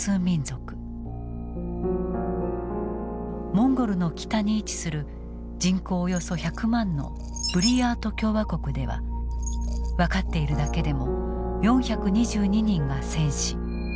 モンゴルの北に位置する人口およそ１００万のブリヤート共和国では分かっているだけでも４２２人が戦死。